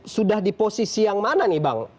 sudah di posisi yang mana nih bang